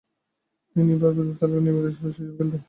তিনি বার্বাডোস দলের নিয়মিত সদস্য হিসেবে খেলতে থাকেন।